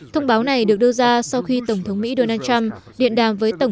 thông báo này được đưa ra sau khi tổng thống mỹ donald trump điện đàm với tổng thống mỹ donald trump